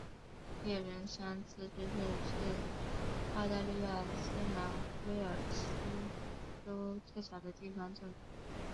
猎人山自治市是澳大利亚新南威尔斯州最小的地方政府。